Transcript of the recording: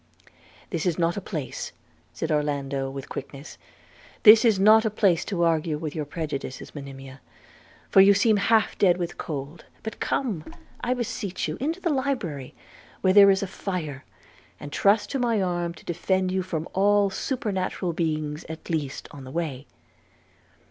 'This is not a place,' said Orlando with quickness, 'this is not a place to argue with your prejudices, Monimia, for you seem half dead with cold; but come, I beseech you, into the library, where there is a fire, and trust to my arm to defend you from all supernatural beings at least, on the way.'